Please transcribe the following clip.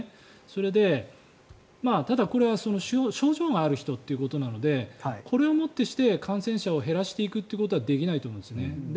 それで、ただ、これは症状がある人ということなのでこれをもってして感染者を減らしていくということはできないと思うんですね。